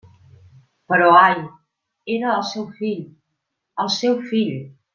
Però ai!, era el seu fill..., el seu fill!